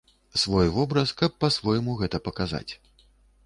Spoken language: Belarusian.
Свой вобраз, каб па-свойму гэта паказаць.